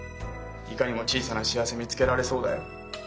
いかにも小さな幸せ見つけられそうだよ。